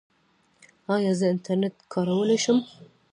ایا زه انټرنیټ کارولی شم؟